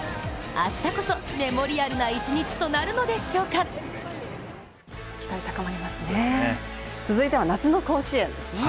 明日こそメモリアルな一日となるのでしょうか期待高まりますね。